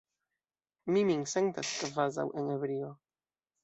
Mi min sentas kvazaŭ en ebrio.